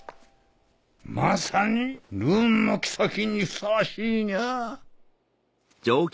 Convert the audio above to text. ・まさにルーンの妃にふさわしいにゃ！